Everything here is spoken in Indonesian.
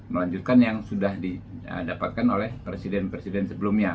melanjutkan yang sudah didapatkan oleh presiden presiden sebelumnya